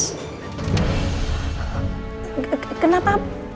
pak irfan juga yang mengeluarkan pak nino dari daftar pasien prioritas